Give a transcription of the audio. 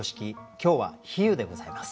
今日は「比喩」でございます。